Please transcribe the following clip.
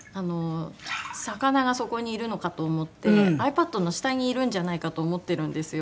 魚がそこにいるのかと思ってアイパッドの下にいるんじゃないかと思ってるんですよ。